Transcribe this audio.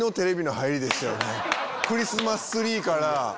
クリスマスツリーから。